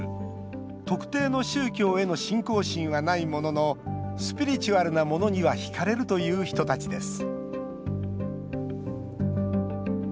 特定の宗教への信仰心はないもののスピリチュアルなものにはひかれるという人たちです